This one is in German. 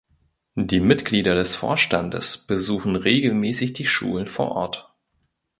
Die Mitglieder des Vorstandes besuchen regelmäßig die Schulen vor Ort.